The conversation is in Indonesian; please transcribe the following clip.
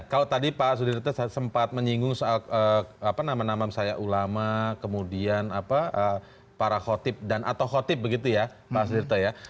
kalau tadi pak sudirta sempat menyinggung soal nama nama misalnya ulama kemudian para khotib dan atau khotib begitu ya pak sudirta ya